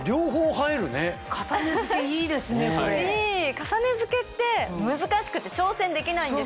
重ね着けって難しくて挑戦できないんですよ。